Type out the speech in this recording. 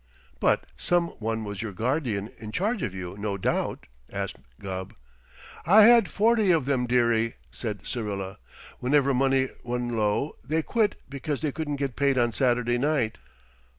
"But some one was your guardian in charge of you, no doubt?" asked Gubb. "I had forty of them, dearie," said Syrilla. "Whenever money run low, they quit because they couldn't get paid on Saturday night."